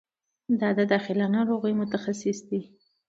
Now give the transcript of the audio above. د داخله ناروغیو متخصص دی